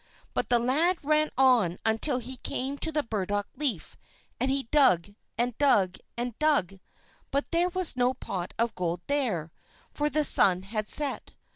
But the lad ran on until he came to the burdock leaf; and he dug, and dug, and dug, but there was no pot of gold there, for the sun had set.